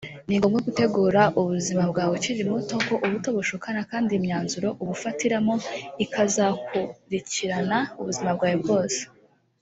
ni ngombwa gutegura ubuzima bwawe ukiri muto kuko ubuto bushukana kandi imyanzuro ubufatiramo ikazakurikirana ubuzima bwawe bwose